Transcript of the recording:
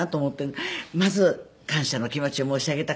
まず感謝の気持ちを申し上げたかった。